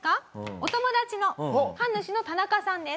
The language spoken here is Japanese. お友達の神主の田中さんです。